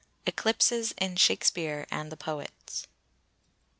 ECLIPSES IN SHAKESPEARE AND THE POETS.